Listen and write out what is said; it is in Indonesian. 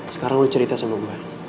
sekarang lo cerita sama gue